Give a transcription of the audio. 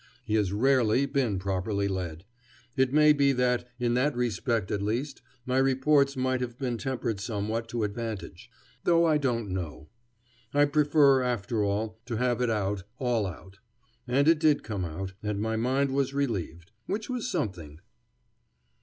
He has rarely been properly led. It may be that, in that respect at least, my reports might have been tempered somewhat to advantage. Though I don't know. I prefer, after all, to have it out, all out. And it did come out, and my mind was relieved; which was something. [Illustration: "The General said never a word."